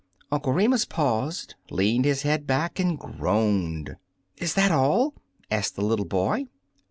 Uncle Remus paused, leaned his head back, and groaned. "Is that all?" asked the little boy.